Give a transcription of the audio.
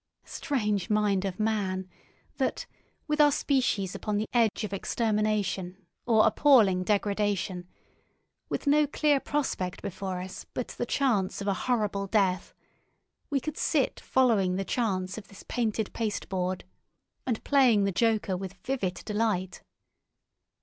Strange mind of man! that, with our species upon the edge of extermination or appalling degradation, with no clear prospect before us but the chance of a horrible death, we could sit following the chance of this painted pasteboard, and playing the "joker" with vivid delight.